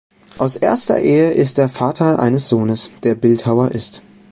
Aus erster Ehe ist er Vater eines Sohnes, der Bildhauer ist.